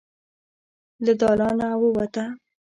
له دالانه ووته.